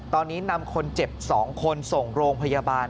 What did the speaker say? ตอนนี้นำคนเจ็บ๒คนส่งโรงพยาบาล